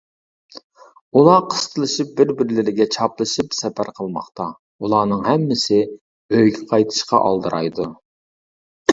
ئۇلار قىستىلىشىپ، بىر-بىرلىرىگە چاپلىشىپ سەپەر قىلماقتا، ئۇلارنىڭ ھەممىسى ئۆيىگە قايتىشقا ئالدىرايدۇ.